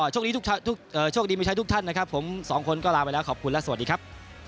ช่วงนี้ไม่ใช่ทุกท่านผมสองคนก็ลาไปแล้วขอบคุณและสวัสดีครับ